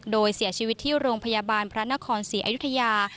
โดยเสียชีวิตที่โรงพยาบาลพระนครศรีอยุธยา